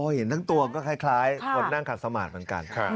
เห็นทั้งตัวก็คล้ายคนนั่งขัดสมาธิเหมือนกัน